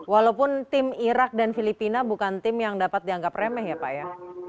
walaupun tim irak dan filipina bukan tim yang dapat dianggap remeh ya pak ya